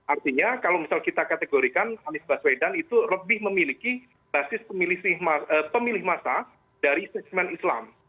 artinya kalau misal kita kategorikan anies baswedan itu lebih memiliki basis pemilih massa dari segmen islam